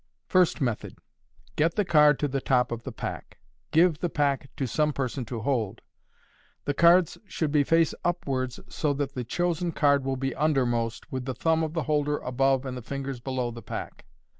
First Method. — Get the card to the top of the pack. Give the pack to some person to hold. The cards should be face upwards, so that the chosen card will be undermost, with the thumb of the holder above and the fingers below the pack.